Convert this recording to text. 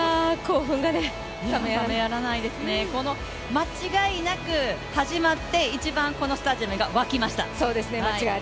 間違いなく始まって一番このスタジアムが沸きました。